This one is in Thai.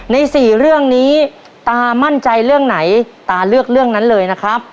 สี่เรื่องนี้ตามั่นใจเรื่องไหนตาเลือกเรื่องนั้นเลยนะครับ